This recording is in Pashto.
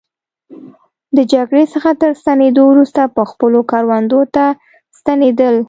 د جګړې څخه تر ستنېدو وروسته به خپلو کروندو ته ستنېدل.